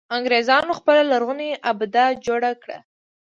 انګرېزانو خپله لرغونې آبده جوړه کړه.